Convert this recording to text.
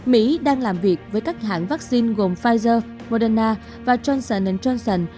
mỹ đang làm việc với các hãng vaccine gồm pfizer moderna và transon johnson